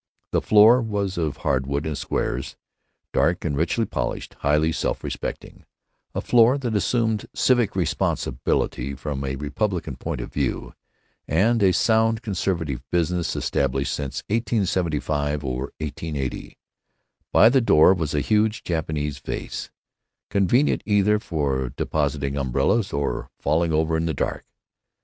The floor was of hardwood in squares, dark and richly polished, highly self respecting—a floor that assumed civic responsibility from a republican point of view, and a sound conservative business established since 1875 or 1880. By the door was a huge Japanese vase, convenient either for depositing umbrellas or falling over in the dark.